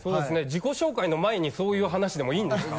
自己紹介の前にそういう話でもいいんですか？